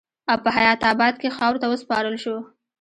او پۀ حيات اباد کښې خاورو ته وسپارل شو